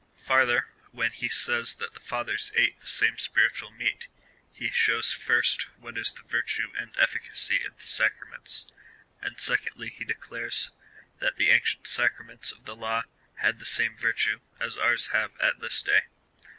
Farther, when he says that the fathers ate the same spi ritual meat, he shows, first, what is the virtue and efficacy of the Sacraments, and, secondly, he declares, that the ancient Sacraments of the Law had the same virtue as ours have at this day.